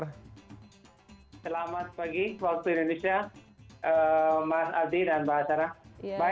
selamat pagi waktu indonesia mas abdi dan mbak tara